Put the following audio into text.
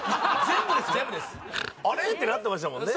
全部ですあれ！？ってなってましたもんね